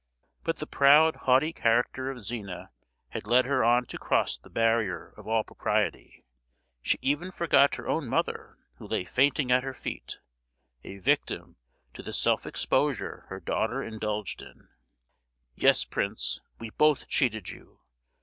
But the proud haughty character of Zina had led her on to cross the barrier of all propriety;—she even forgot her own mother who lay fainting at her feet—a victim to the self exposure her daughter indulged in. "Yes, prince, we both cheated you.